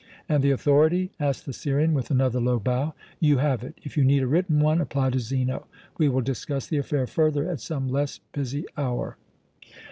"And the authority?" asked the Syrian, with another low bow. "You have it. If you need a written one, apply to Zeno. We will discuss the affair further at some less busy hour."